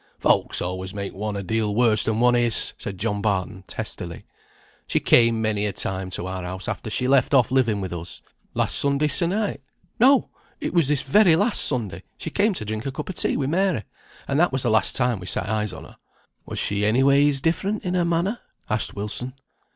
"Folks always make one a deal worse than one is," said John Barton, testily. "She came many a time to our house after she left off living with us. Last Sunday se'nnight no! it was this very last Sunday, she came to drink a cup of tea with Mary; and that was the last time we set eyes on her." "Was she any ways different in her manner?" asked Wilson.